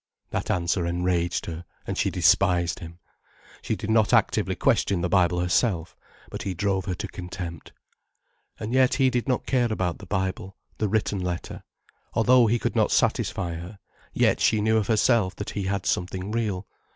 That answer enraged her, and she despised him. She did not actively question the Bible herself. But he drove her to contempt. And yet he did not care about the Bible, the written letter. Although he could not satisfy her, yet she knew of herself that he had something real.